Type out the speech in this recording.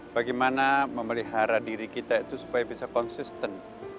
bagaimana memelihara diri kita itu supaya bisa konsisten